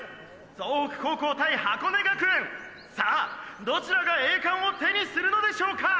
総北高校対箱根学園さあどちらが栄冠を手にするのでしょうか⁉」